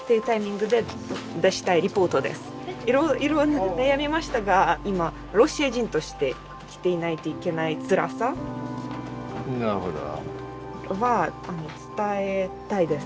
いろいろ悩みましたが今ロシア人として生きていないといけないつらさは伝えたいです